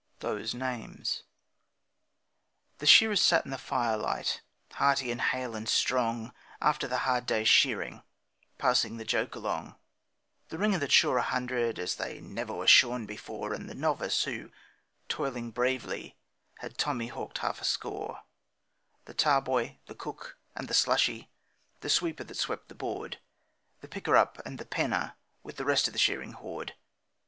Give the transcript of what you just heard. Those Names The shearers sat in the firelight, hearty and hale and strong, After the hard day's shearing, passing the joke along: The 'ringer' that shore a hundred, as they never were shorn before, And the novice who, toiling bravely, had tommy hawked half a score, The tarboy, the cook, and the slushy, the sweeper that swept the board, The picker up, and the penner, with the rest of the shearing horde.